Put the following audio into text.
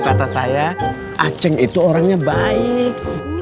kata saya aceh itu orangnya baik